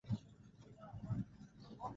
Alipotoka kwa Alberto aliekelea kwenye ile nyumba